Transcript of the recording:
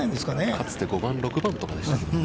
かつて５番、６番とかでしたもんね。